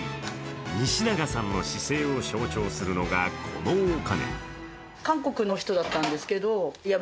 西永さんの姿勢を象徴するのがこのお金。